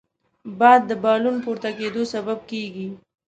باد د بالون پورته کېدو سبب کېږي